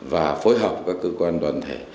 và phối hợp các cơ quan đoàn thể